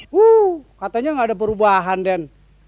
wuh katanya gak ada perubahan den